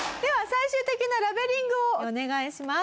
最終的なラベリングをお願いします。